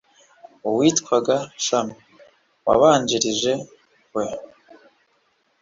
witwaga shami, wabanjirije we